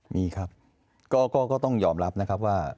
มีครับก็ต้องยอมรับนะครับว่า